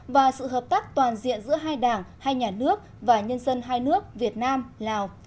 và sự hợp tác toàn diện giữa hai đảng hai nhà nước và nhân dân hai nước việt nam lào